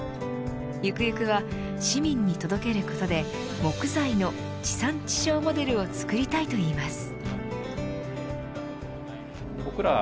ゆくゆくは市民に届けることで木材の地産地消モデルを作りたいと言います。